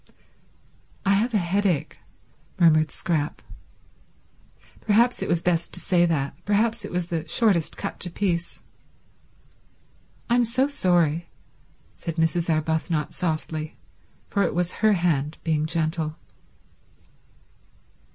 "I have a headache," murmured Scrap. Perhaps it was best to say that; perhaps it was the shortest cut to peace. "I'm so sorry," said Mrs. Arbuthnot softly, for it was her hand being gentle.